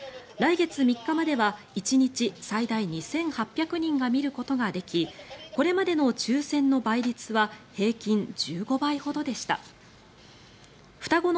来月３日までは１日最大２８００人が見ることができこれまでの抽選の倍率は平均１５倍ほどでした。